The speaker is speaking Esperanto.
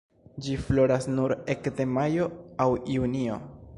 Ĝi floras nur ekde majo aŭ junio.